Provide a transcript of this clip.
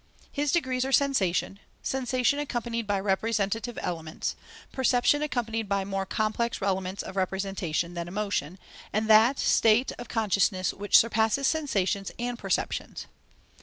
His degrees are sensation, sensation accompanied by representative elements, perception accompanied by more complex elements of representation, then emotion, and that state of consciousness which surpasses sensations and perceptions.